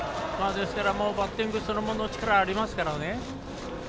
ですからバッティングそのもの力ありますからね。